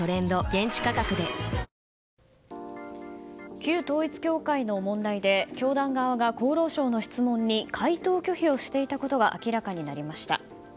旧統一教会の問題で教団側が厚労省の質問に回答拒否をしていたことが明らかになりました。